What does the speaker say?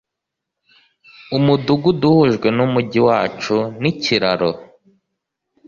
Umudugudu uhujwe numujyi wacu nikiraro.